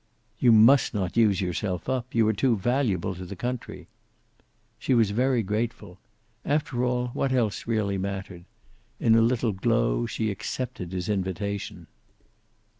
"You must not use yourself up. You are too valuable to the country." She was very grateful. After all, what else really mattered? In a little glow she accepted his invitation.